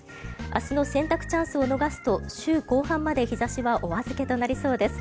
明日の洗濯チャンスを逃すと週後半まで、日差しはお預けとなりそうです。